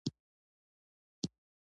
رقیب زما د ژوند د هدف ترلاسه کولو وسیله ده